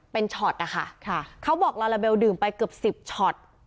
เป็นช็อตนะคะเขาบอกลาลาเบลดื่มไปเกือบสิบช็อต